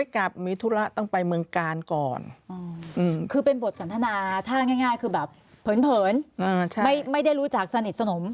คือเป็นบทสนทนาถ้าง่ายคือแบบเผินไม่ได้รู้จักสนิทสนม